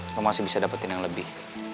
kamu masih bisa dapetin yang lebih